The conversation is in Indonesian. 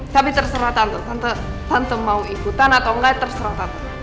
tapi terserah tante tante mau ikutan atau engga terserah tante